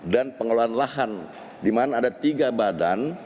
dan pengelolaan lahan di mana ada tiga badan